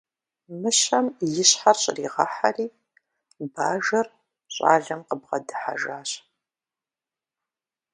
Мыщэм и щхьэр щӏригъэхьэри, бажэр щӏалэм къыбгъэдыхьэжащ.